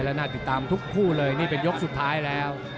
แล้วน่าติดตามทุกคู่เลยนี่เป็นยกสุดท้ายแล้ว